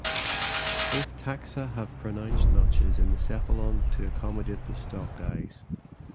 Both taxa have pronounced notches in the cephalon to accommodate the stalked eyes.